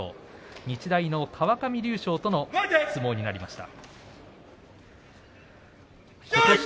日大の川上竜昌との相撲になりました。